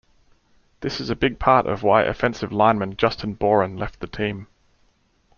This is a big part of why offensive lineman Justin Boren left the team.